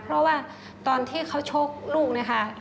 เพราะว่าตอนที่เขาชกลูกเนี่ยค่ะ